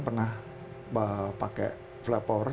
pernah pakai fly power